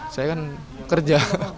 saya kan kerja